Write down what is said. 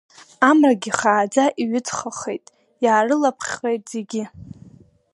Амрагьы хааӡа иҩыҵхахеит, иаарылаԥхеит зегьы.